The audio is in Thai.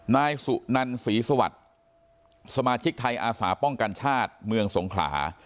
นายสุนันศรีสวัสดิ์สมาชิกไทยอาสาป้องกันชาติเมืองสงขลา